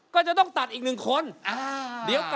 กับพอรู้ดวงชะตาของเขาแล้วนะครับ